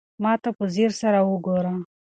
ما ته په ځير سره وگوره.